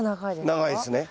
長いですね。